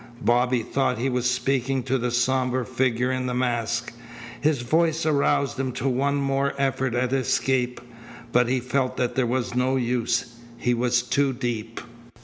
Bobby thought he was speaking to the sombre figure in the mask. His voice aroused him to one more effort at escape, but he felt that there was no use. He was too deep.